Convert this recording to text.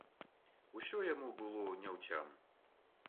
Усё яму было няўцям.